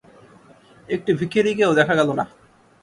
একটি ভিখিরিকেও দেখা গেল না।